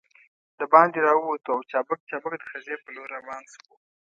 دباندې راووتو او چابک چابک د خزې په لور روان شوو.